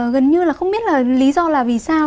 gần như là không biết là lý do là vì sao